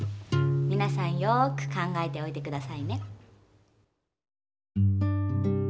みなさんよく考えておいてくださいね。